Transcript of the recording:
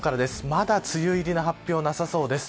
まだ梅雨入りの発表なさそうです。